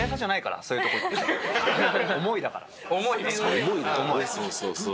そうそうそう」